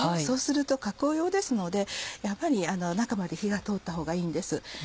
そうすると加工用ですのでやっぱり中まで火が通ったほうがいいんです。